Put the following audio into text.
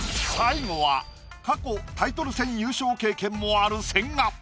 最後は過去タイトル戦優勝経験もある千賀。